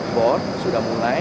board sudah mulai